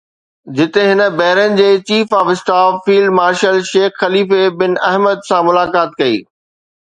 جتي هن بحرين جي chief of staff field marshal Sheikh Khalifa bin Ahmed سان ملاقات ڪئي